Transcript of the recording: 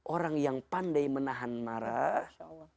orang yang pandai menahan marah